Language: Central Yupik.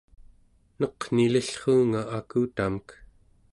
neqnilillruunga akutamek